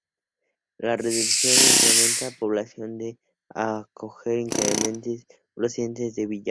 La reducción incrementa su población al acoger inmigrantes procedentes de Visayas.